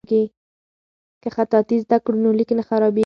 که خطاطي زده کړو نو لیک نه خرابیږي.